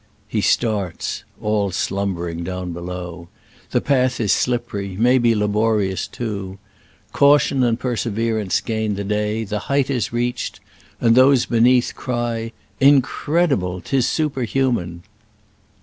He starts (all slumbering down below) : the path is slippery — maybe laborious too. Caution and perseverance gain the day — the height is reached ! and those be neath cry, *' Incredible ! 'tis superhu man